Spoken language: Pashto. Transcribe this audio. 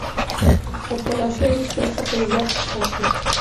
تر تلاشۍ وروسته يې ښه په عزت رخصت کړو.